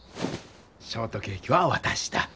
ショートケーキはわたしだ！